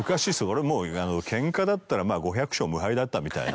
俺もうケンカだったら５００勝無敗だったみたいな。